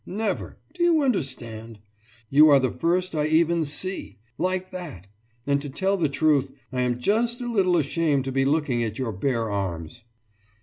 Never ... do you understand? You are the first I even see ... like that. And to tell the truth, I am just a little ashamed to be looking at your bare arms.